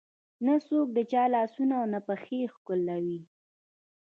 نه څوک د چا لاسونه او نه پښې ښکلوي.